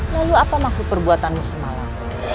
lalu apa maksud perbuatanmu semalam